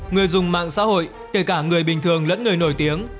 người dùng mạng xã hội kể cả người bình thường lẫn người nổi tiếng